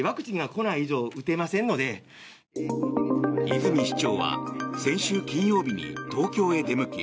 泉市長は先週金曜日に東京へ出向き